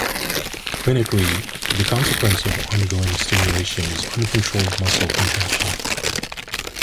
Clinically, the consequence of ongoing stimulation is uncontrolled muscle contraction.